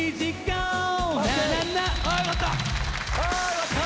よかった！